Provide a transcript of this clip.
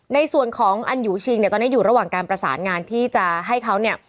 ในส่วนของอันยูชิงเนี่ยตอนนี้อยู่ระหว่างการประสานงานที่จะให้เขาเนี่ย